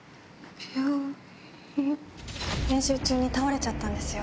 練習中に倒れちゃったんですよ。